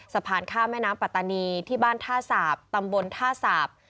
สะพานข้ามแม่น้ำปัตตานีที่บ้านท่าสาปตำบลท่าสาป